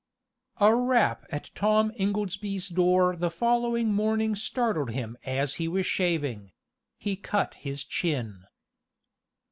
A rap at Tom Ingoldsby's door the following morning startled him as he was shaving he cut his chin.